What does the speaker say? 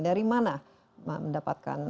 dari mana mendapatkan